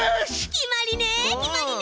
決まりね決まりね！